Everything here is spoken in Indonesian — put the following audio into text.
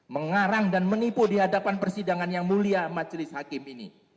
mengarang dan menipu di hadapan persidangan yang mulia majelis hakim ini